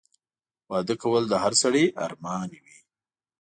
واده کول د هر سړي ارمان وي